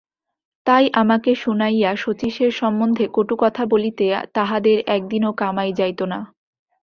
তাই আমাকে শুনাইয়া শচীশের সম্বন্ধে কটু কথা বলিতে তাহাদের একদিনও কামাই যাইত না।